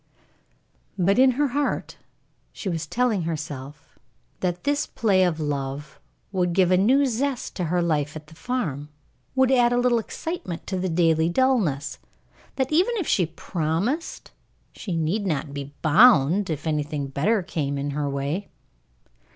But in her heart she was telling herself that this play of love would give a new zest to her life at the farm, would add a little excitement to daily dullness; that, even if she promised, she need not be bound if anything better came in her way.